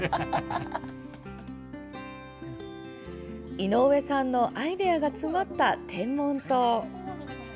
井上さんのアイデアが詰まった天文棟。